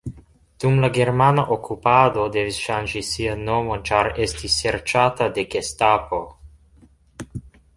Dum la germana okupado devis ŝanĝi sian nomon ĉar estis serĉata de gestapo.